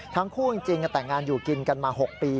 ทั้งคู่จริงแต่งงานอยู่กินกันมา๖ปี